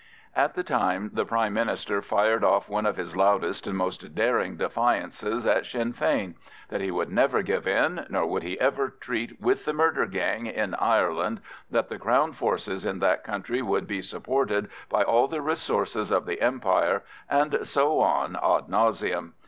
At the time the Prime Minister fired off one of his loudest and most daring defiances at Sinn Fein: that he would never give in nor would he ever treat with the murder gang in Ireland, that the Crown forces in that country would be supported by all the resources of the Empire, and so on ad nauseam.